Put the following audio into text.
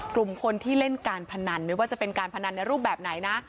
กลุ่มคนที่เล่นการพนันไม่ว่าจะเป็นการพนันในรูปแบบไหนนะ